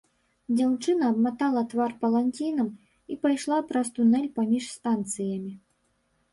Дзяўчына абматала твар паланцінам і пайшла праз тунэль паміж станцыямі.